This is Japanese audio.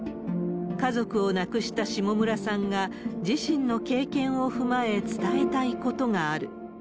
家族を亡くした下村さんが、自身の経験を踏まえ伝えたいことがある。